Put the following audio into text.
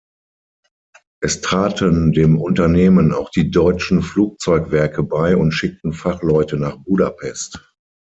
Es traten dem Unternehmen auch die Deutschen Flugzeug-Werke bei und schickten Fachleute nach Budapest.